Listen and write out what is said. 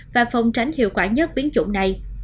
và phòng tránh hiệu quả nhất biến chủng này